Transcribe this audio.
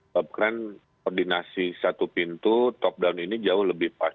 bahkan koordinasi satu pintu top down ini jauh lebih pas